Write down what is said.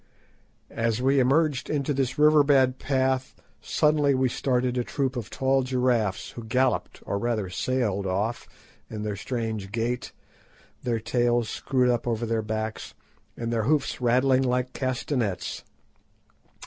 As we emerged into this river bed path suddenly we started a troop of tall giraffes, who galloped, or rather sailed off, in their strange gait, their tails screwed up over their backs, and their hoofs rattling like castanets.